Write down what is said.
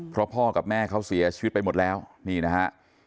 เพราะพ่อกับแม่เขาเสียชีวิตไปหมดแล้วนี่นะฮะ